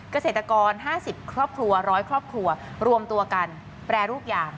เกษตรกร๕๐ครอบครัว๑๐๐ครอบครัวรวมตัวกันแปรรูปอย่าง